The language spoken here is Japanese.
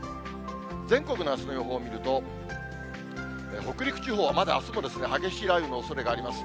全国のあすの予報を見ると、北陸地方、まだあすも激しい雷雨のおそれがあります。